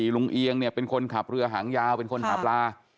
ลุงเอียงเป็นคนขับเรือหางยาวเป็นคนขับลา